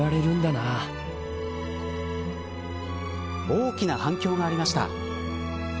大きな反響がありました。